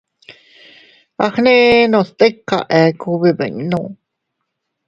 Agnenos tika eku, bibinnu.